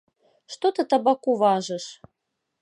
Што ты табаку важыш?